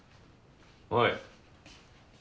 おい。